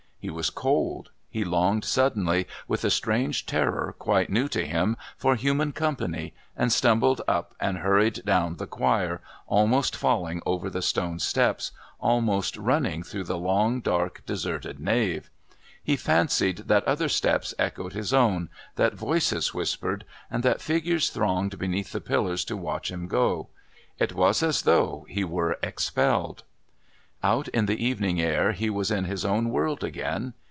He was cold; he longed suddenly, with a strange terror quite new to him, for human company, and stumbled up and hurried down the choir, almost falling over the stone steps, almost running through the long, dark, deserted nave. He fancied that other steps echoed his own, that voices whispered, and that figures thronged beneath the pillars to watch him go. It was as though he were expelled. Out in the evening air he was in his own world again.